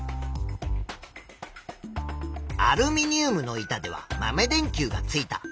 アルミニウムの板では豆電球がついた。